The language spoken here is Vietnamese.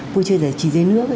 vui chơi giải trí dưới nước